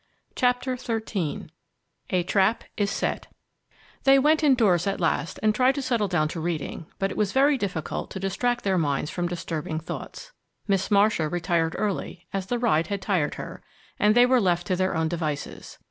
CHAPTER XIII A TRAP IS SET They went indoors at last and tried to settle down to reading, but it was very difficult to distract their minds from disturbing thoughts. Miss Marcia retired early, as the ride had tired her, and they were left to their own devices.